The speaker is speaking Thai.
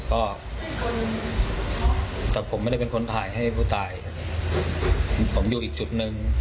ก็แต่ผมไม่ได้เป็นคนถ่ายให้ผู้ตายผมอยู่อีกจุดหนึ่ง